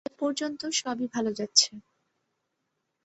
এ পর্যন্ত সবই ভাল যাচ্ছে।